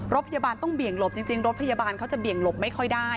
รถพยาบาลต้องเบี่ยงหลบจริงรถพยาบาลเขาจะเบี่ยงหลบไม่ค่อยได้